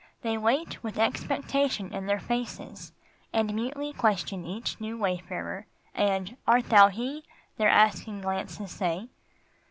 They wait with expectation in their faces And mutely question each new wayfarer, And " Art thou he ?" their asking glances say.